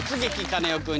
カネオくん」。